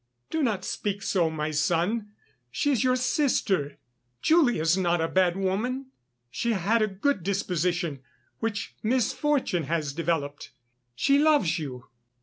"Do not speak so, my son, she is your sister. Julie is not a bad woman; she had a good disposition, which misfortune has developed. She loves you.